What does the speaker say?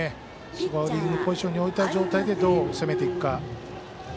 スコアリングポジションに置いた状態でどう攻めていくか。